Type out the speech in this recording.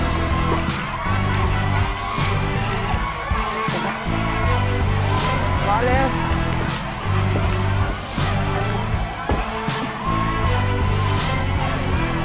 เอ้าเรื่องตัวหนึ่งเอ้าเรื่องตัวหนึ่ง